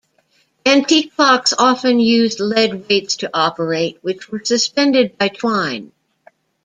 Antique clocks often used lead weights to operate, which were suspended by twine.